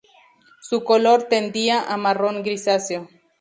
Su color tendía a marrón grisáceo.